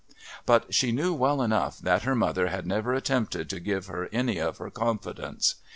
But she knew well enough that her mother had never attempted to give her any of her confidence.